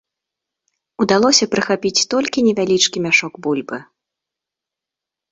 Удалося прыхапіць толькі невялічкі мяшок бульбы.